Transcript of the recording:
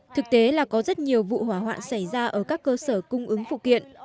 thực tế là có rất nhiều vụ hỏa hoạn xảy ra ở các cơ sở cung ứng phụ kiện